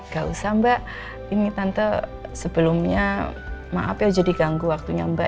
gak usah mbak ini tante sebelumnya maaf ya jadi ganggu waktunya mbak